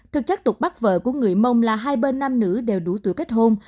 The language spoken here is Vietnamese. thực chất tục bắt vợ của người mông là hai bên nam nữ đều đủ tuổi kết hôn